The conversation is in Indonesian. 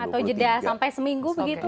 atau jeda sampai seminggu begitu